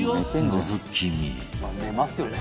「寝ますよね